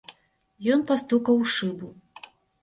Ён пастукаў у шыбу.